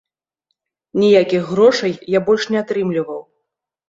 Ніякіх грошай я больш не атрымліваў.